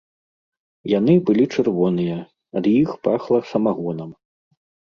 Яны былі чырвоныя, ад іх пахла самагонам.